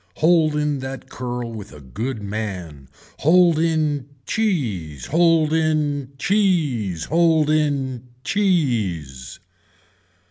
Hold in that curl with a good man. Hold in cheese. Hold in cheese. Hold in cheese.